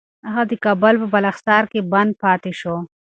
هغه د کابل په بالاحصار کي بند پاتې شو.